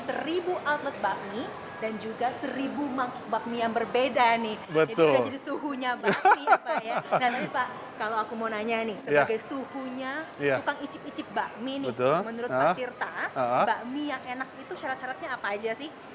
menurut pak tirta bakmi yang enak itu syarat syaratnya apa aja sih